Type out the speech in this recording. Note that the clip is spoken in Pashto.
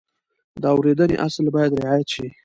د اورېدنې اصل باید رعایت شي.